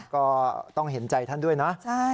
ก็ต้องเห็นใจท่านด้วยนะ